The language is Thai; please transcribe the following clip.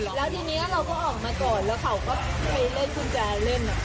แล้วทีนี้เราก็ออกมาก่อนแล้วเขาก็ไปเล่นกุญแจเล่น